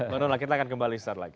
bang donald kita akan kembali start lagi